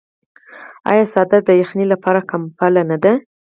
آیا څادر د یخنۍ لپاره کمپله نه ده؟